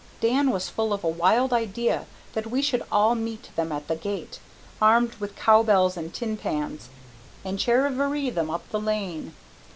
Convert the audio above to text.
Dan was full of a wild idea that we should all meet them at the gate, armed with cowbells and tin pans, and "charivari" them up the lane.